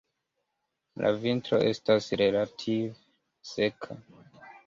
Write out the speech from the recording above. La vintro estas relative seka.